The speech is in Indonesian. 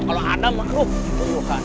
kalau ada mengkeruk